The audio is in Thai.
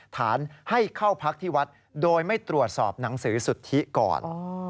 ฐานให้เข้าพักที่วัดโดยไม่ตรวจสอบหนังสือสุทธิก่อน